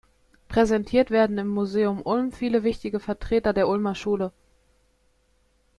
Präsentiert werden im Museum Ulm viele wichtige Vertreter der Ulmer Schule.